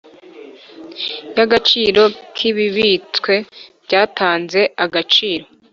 Y agaciro k ibibitswe byatanze agaciro